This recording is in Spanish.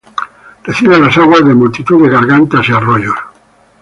Recibe las aguas de multitud de gargantas y arroyos.